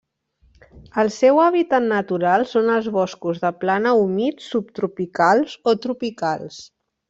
El seu hàbitat natural són els boscos de plana humits subtropicals o tropicals.